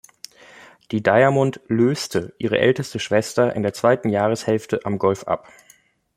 Die "Diamond" löste ihre älteste Schwester in der zweiten Jahreshälfte am Golf ab.